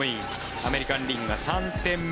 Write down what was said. アメリカン・リーグが３点目。